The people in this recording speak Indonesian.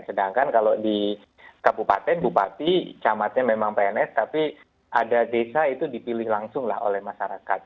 sedangkan kalau di kabupaten bupati camatnya memang pns tapi ada desa itu dipilih langsung lah oleh masyarakat